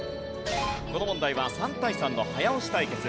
この問題は３対３の早押し対決。